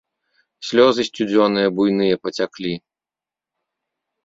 Слёзы сцюдзёныя, буйныя пацяклі.